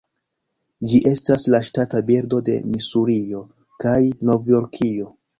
Ĝi estas la ŝtata birdo de Misurio kaj Novjorkio.